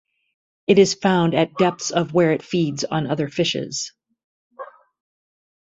It is found at depths of where it feeds on other fishes.